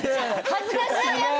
恥ずかしいやつ！